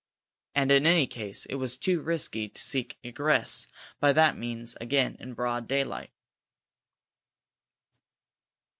And, in any case, it was too risky to seek egress by that means again in broad daylight.